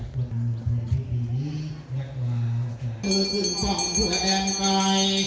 โปรดติดตามตอนต่อไป